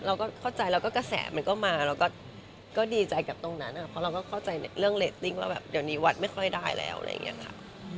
เราก็เข้าใจแล้วก็กระแสมันก็มาเราก็ดีใจกับตรงนั้นเพราะเราก็เข้าใจในเรื่องเรตติ้งว่าแบบเดี๋ยวนี้วัดไม่ค่อยได้แล้วอะไรอย่างนี้ค่ะ